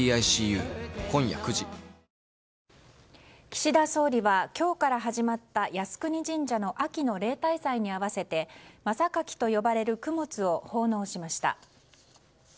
岸田総理は今日から始まった靖国神社の秋の例大祭に合わせて真榊と呼ばれる供物を奉納しました。